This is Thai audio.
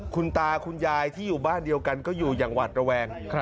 คุณตาคุณยายที่อยู่บ้านเดียวกันก็อยู่อย่างหวัดระแวง